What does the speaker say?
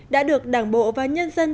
đã được đảng bộ và nhân dân